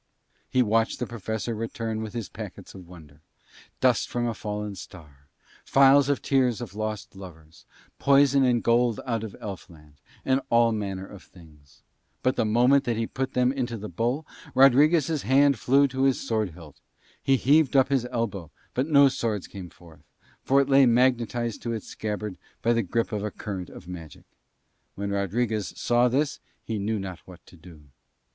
He watched the Professor return with his packets of wonder; dust from a fallen star, phials of tears of lost lovers, poison and gold out of elf land, and all manner of things. But the moment that he put them into the bowl Rodriguez' hand flew to his sword hilt. He heaved up his elbow, but no sword came forth, for it lay magnetised to its scabbard by the grip of a current of magic. When Rodriguez saw this he knew not what to do.